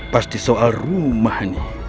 pasti soal rumah nih